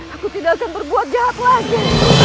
aku tidak akan berbuat jahat lagi